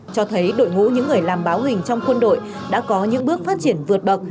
cho thấy đội ngũ những người làm báo hình trong quân đội đã có những bước phát triển vượt bậc